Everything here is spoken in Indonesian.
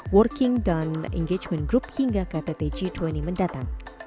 working down engagement group hingga ktt g dua puluh mendatang